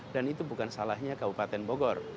dan itu bukan salahnya kabupaten bogor